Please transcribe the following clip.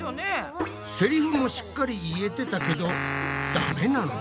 セリフもしっかり言えてたけどダメなの？